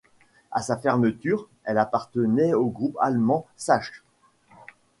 À sa fermeture, elle appartenait au groupe allemand Sachs.